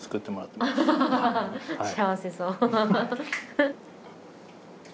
幸せそう。